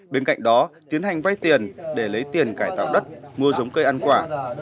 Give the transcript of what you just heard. bên cạnh đó tiến hành vay tiền để lấy tiền cải tạo đất mua giống cây ăn quả